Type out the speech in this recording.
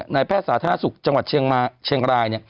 แพทย์สาธารณสุขจังหวัดเชียงราย